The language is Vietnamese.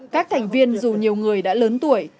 các thành viên dù nhiều người đã lớn tuổi